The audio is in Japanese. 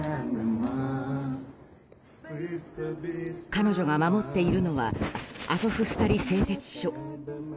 彼女が守っているのはアゾフスタリ製鉄所。